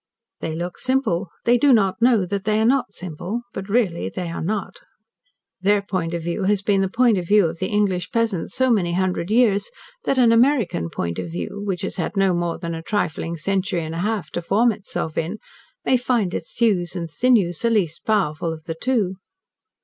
They look simple, they do not know that they are not simple, but really they are not. Their point of view has been the point of view of the English peasant so many hundred years that an American point of view, which has had no more than a trifling century and a half to form itself in, may find its thews and sinews the less powerful of the two.